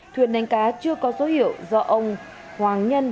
thuyền đánh cá chưa có dấu hiệu do ông hoàng nhân